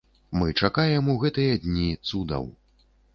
Мы чакаем у гэтыя дні цудаў.